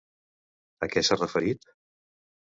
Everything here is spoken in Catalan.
A què s'ha referit?